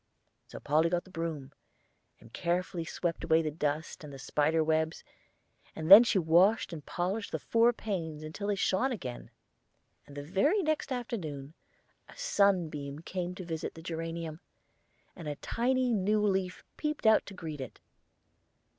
So Polly got the broom, and carefully swept away the dust and the spider webs, and then she washed and polished the four panes until they shone again, and the very next afternoon a sunbeam came to visit the geranium, and a tiny new leaf peeped out to greet it.